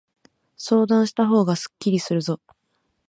相談したほうがすっきりするぞ。